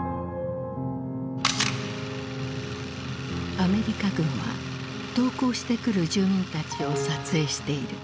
アメリカ軍は投降してくる住民たちを撮影している。